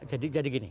ya jadi gini